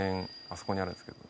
あそこにあるんすけど。